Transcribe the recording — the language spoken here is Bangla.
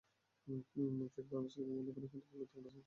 মঞ্চ থেকে বারবার স্লোগান বন্ধ করার কথা বললেও তাঁরা থামছিলেন না।